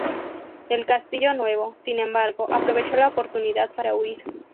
El "Castillo Nuevo", sin embargo, aprovechó la oportunidad para huir.